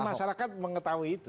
dan masyarakat mengetahui itu